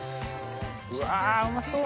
うわうまそう！